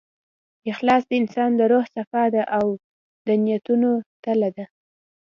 اخلاص د انسان د روح صفا ده، او د نیتونو تله ده.